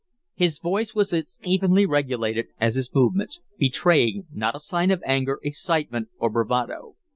His voice was as evenly regulated as his movements, betraying not a sign of anger, excitement, or bravado.